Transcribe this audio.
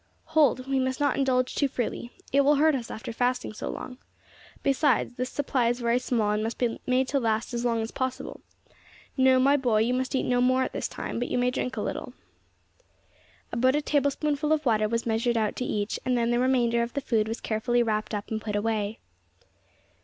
"Hold! We must not indulge too freely. It will hurt us after fasting so long. Besides, this supply is very small, and must be made to last as long as possible. No, my boy, you must eat no more at this time, but you may drink a little." About a table spoonful of water was measured out to each, and then the remainder of the food was carefully wrapped up and put away.